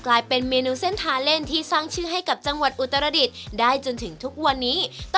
กลายเป็นเมนูเส้นทาเล่นที่สร้างชื่อให้กับจังวัดอุติ